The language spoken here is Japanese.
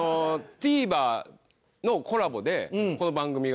ＴＶｅｒのコラボでこの番組が。